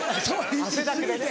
汗だくでね。